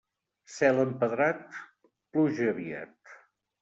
Cel empedrat, pluja aviat.